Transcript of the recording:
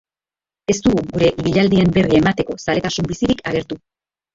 Ez dugu gure ibilaldien berri emateko zaletasun bizirik agertu.